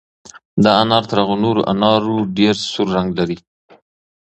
دا انار تر هغو نورو انارو ډېر سور رنګ لري.